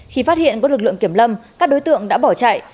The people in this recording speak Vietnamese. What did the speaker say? khi phát hiện có lực lượng kiểm lâm các đối tượng đã bỏ chạy